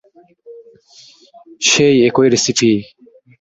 সেই একই রেসিপি?